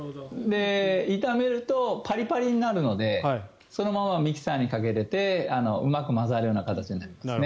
炒めると、パリパリになるのでそのままミキサーにかけれてうまく混ぜられる形になりますね。